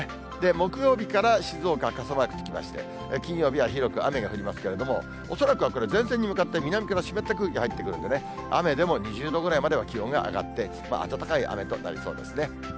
木曜日から静岡は傘マークつきまして、金曜日は広く雨が降りますけれども、恐らくはこれ前線に向かって南から湿った空気が入ってくるので、雨でも２０度ぐらいまでは気温が上がって、暖かい雨となりそうですね。